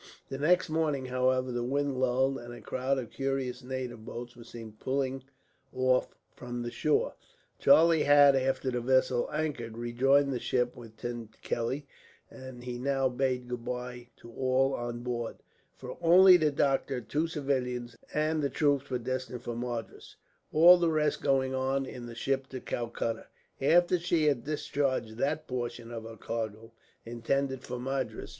The next morning, however, the wind lulled, and a crowd of curious native boats were seen putting off from the shore. Charlie had, after the vessel anchored, rejoined his ship with Tim Kelly, and he now bade goodbye to all on board; for only the doctor, two civilians, and the troops were destined for Madras; all the rest going on in the ship to Calcutta, after she had discharged that portion of her cargo intended for Madras.